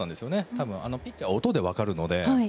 多分ピッチャーは音で分かるので。